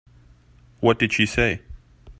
What did she say?